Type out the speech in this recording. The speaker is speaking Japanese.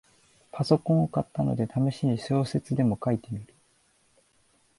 パソコンを買ったので、ためしに小説でも書いてみる